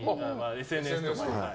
ＳＮＳとかに。